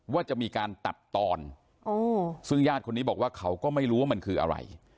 ว่าจะมีการตัดตอนซึ่งญาติคนนี้บอกว่าเขาก็ไม่รู้ว่ามันคืออะไร